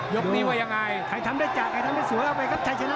ยกนี้ว่ายังไง